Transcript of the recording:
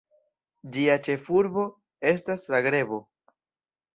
Ĝia ĉefurbo estas Zagrebo.